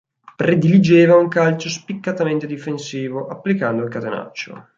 Prediligeva un calcio spiccatamente difensivo, applicando il catenaccio.